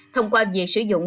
thông qua việc sử dụng